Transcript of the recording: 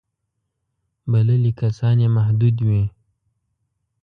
بللي کسان یې محدود وي.